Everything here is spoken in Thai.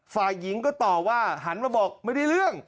ฝ่ายหญิงก็ตอบว่าหันมาบอกไม่ได้เรื่อง